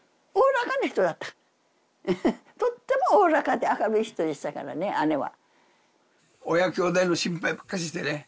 とってもおおらかで明るい人でしたからね姉は。